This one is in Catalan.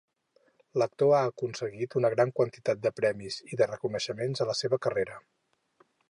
L'actor ha aconseguit una gran quantitat de premis i de reconeixements a la seva carrera.